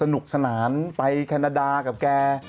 เห้ยสนุกสนานเลยไปรับร้องเหล่านี้กับเค้า